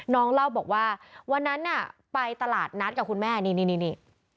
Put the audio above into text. เล่าบอกว่าวันนั้นน่ะไปตลาดนัดกับคุณแม่นี่นี่